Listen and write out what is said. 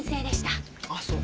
あっそう。